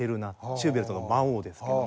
シューベルトの『魔王』ですけど。